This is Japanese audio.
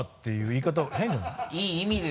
いい意味で！